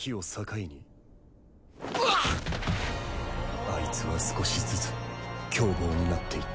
ユウロ：アイツは少しずつ凶暴になっていった